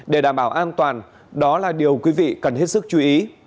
để đảm bảo an toàn đó là điều quý vị cần hết sức chú ý